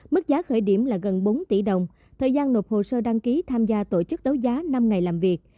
mức giá khởi điểm là gần bốn tỷ đồng thời gian nộp hồ sơ đăng ký tham gia tổ chức đấu giá năm ngày làm việc